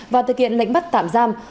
và thực hiện lệnh bắt tạm giam